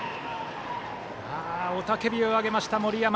雄たけびを上げました、森山。